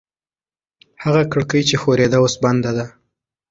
هغه کړکۍ چې ښورېده اوس بنده ده.